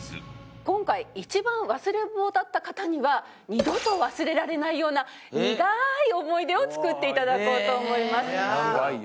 今回一番忘れん坊だった方には二度と忘れられないようなにがい思い出を作っていただこうと思います。